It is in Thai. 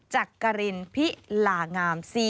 จักรินพิลางาม